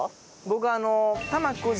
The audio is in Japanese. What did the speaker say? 僕あの。